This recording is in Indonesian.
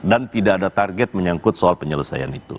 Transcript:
dan tidak ada target menyangkut soal penyelesaian itu